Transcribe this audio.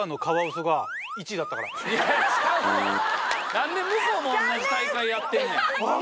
何で向こうも同じ大会やってんねん！